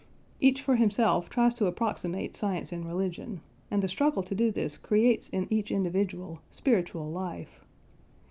Each for himself tries to approximate science and religion, and the struggle to do this creates in each individual spiritual life.